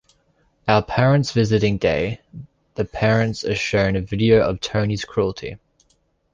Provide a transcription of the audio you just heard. On parents' visiting day, the parents are shown a video of Tony's cruelty.